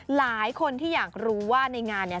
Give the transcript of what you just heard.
หลายคนที่อยากรู้ว่าในงานเนี่ย